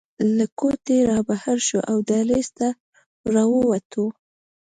له کوټې رابهر شوو او دهلېز ته راووتو.